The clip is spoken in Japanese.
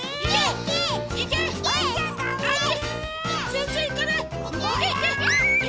ぜんぜんいかない！